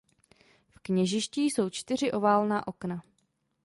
V kněžišti jsou čtyři oválná okna.